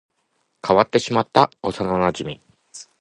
変わってしまった幼馴染